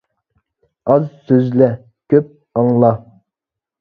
ئاز سۆزلە، كۆپ ئاڭلا.